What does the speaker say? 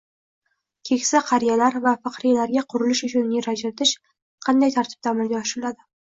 Keksa qariyalar va faxriylarga qurilish uchun yer ajratish qanday tartibda amalga oshiriladi?